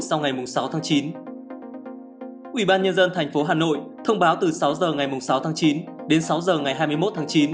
sau ngày sáu tháng chín ủy ban nhân dân thành phố hà nội thông báo từ sáu giờ ngày sáu tháng chín đến sáu giờ ngày hai mươi một tháng chín